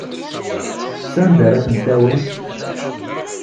Sanda ara ten-tawimt?